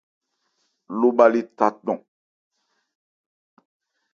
Lobha le tha cɔn.